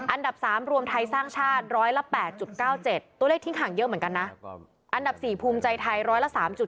อันดับ๓รวมไทยสร้างชาติร้อยละ๘๙๗ตัวเลขทิ้งห่างเยอะเหมือนกันนะอันดับ๔ภูมิใจไทยร้อยละ๓๗